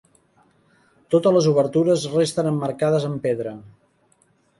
Totes les obertures resten emmarcades en pedra.